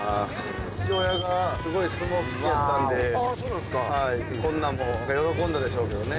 父親がすごい相撲好きやったんでこんなん喜んだでしょうけどね。